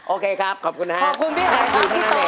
โอเคครับขอบคุณนะครับขอบคุณพี่ขอบคุณพี่ขอบคุณพี่ขอบคุณพี่ขอบคุณพี่